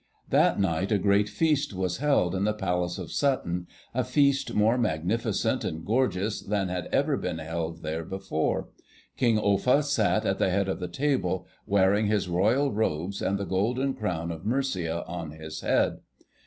That night a great feast was held in the Palace of Sutton, a feast more magnificent and gorgeous than had ever been held there before. King Offa sat at the head of the table, wearing his royal robes and the golden crown of Mercia on his head.